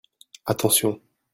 Attention.